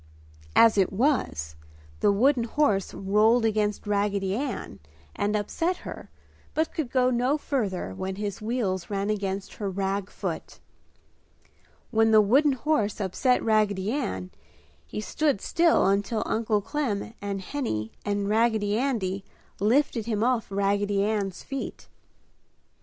As it was, the wooden horse rolled against Raggedy Ann and upset her but could go no further when his wheels ran against her rag foot. When the wooden horse upset Raggedy Ann, he stood still until Uncle Clem and Henny and Raggedy Andy lifted him off Raggedy Ann's feet.